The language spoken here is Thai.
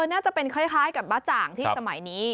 น่าจะเป็นคล้ายกับบ้าจ่างที่สมัยนี้